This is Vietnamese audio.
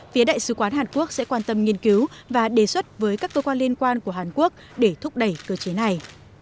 phía đại sứ quán hàn quốc sẽ quan tâm nghiên cứu và đề xuất với các cơ quan liên quan của hàn quốc để thúc đẩy cơ chế này